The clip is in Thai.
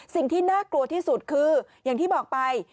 สิ่งที่น่ากลัวที่สุดคืออย่างที่บอกไป